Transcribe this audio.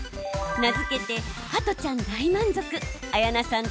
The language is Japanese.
名付けて加トちゃん大満足綾菜さん